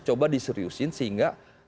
coba diseriusin sehingga